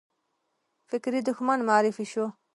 فکري دښمن معرفي شو